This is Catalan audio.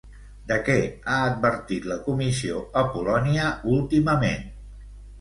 De què ha advertit la Comissió a Polònia últimament?